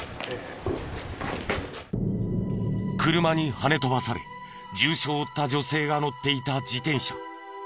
車にはね飛ばされ重傷を負った女性が乗っていた自転車。